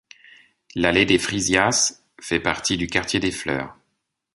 L'allée des Freesias fait partie du quartier des fleurs.